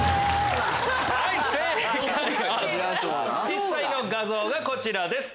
実際の画像がこちらです。